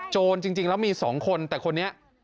จริงแล้วมี๒คนแต่คนนี้